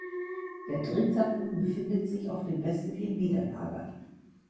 Der Drehzapfen befindet sich auf dem westlichen Widerlager.